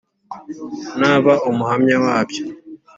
naba umuhamya wabyo